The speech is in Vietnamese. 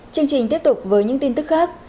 chương trình tiếp tục với những tin tức khác